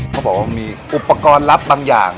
เขาบอกว่ามีอุปกรณ์ลับบางอย่าง